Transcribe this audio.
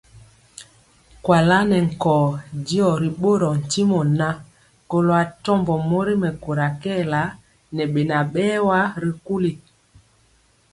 Kuala nɛ nkɔɔ diɔ ri ɓorɔɔ ntimɔ ŋan, kɔlo atɔmbɔ mori mɛkóra kɛɛla ŋɛ beŋa berwa ri nkuli.